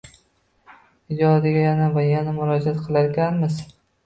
Ijodiga yana va yana murojaat qilarkanmiz.